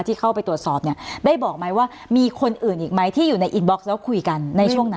ที่เข้าไปตรวจสอบเนี่ยได้บอกไหมว่ามีคนอื่นอีกไหมที่อยู่ในอินบ็อกซ์แล้วคุยกันในช่วงนั้น